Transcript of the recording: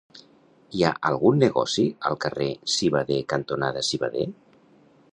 Hi ha algun negoci al carrer Civader cantonada Civader?